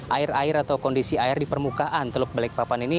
air air atau kondisi air di permukaan teluk balikpapan ini